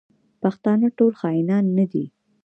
پښتانه ټول خاینان نه دي.